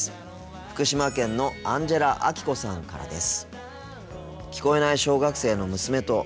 福島県のアンジェラアキコさんからです。